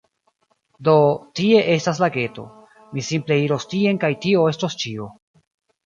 Do, tie estas lageto; mi simple iros tien kaj tio estos ĉio